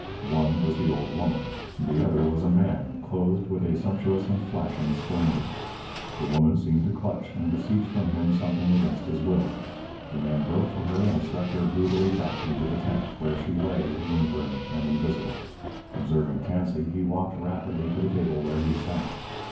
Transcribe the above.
One was the old woman; the other was a man clothed with a sumptuous and flashing splendour. The woman seemed to clutch and beseech from him something against his will. The man broke from her and struck her brutally back into the tent, where she lay, whimpering and invisible. Observing Tansey, he walked rapidly to the table where he sat.